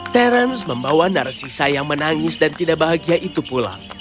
terence membawa narsisa yang menangis dan tidak bahagia itu pulang